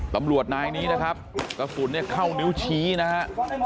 ตำรวจนายนี้นะครับกระสุนเนี่ยเข้านิ้วชี้นะฮะ